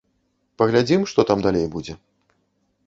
Паглядзім, што там далей будзе.